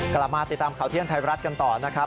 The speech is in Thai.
กลับมาติดตามข่าวเที่ยงไทยรัฐกันต่อนะครับ